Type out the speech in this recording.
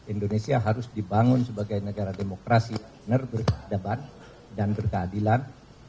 indonesia harus dibangun sebagai negara demokrasi benar berkedaban dan berkeadilan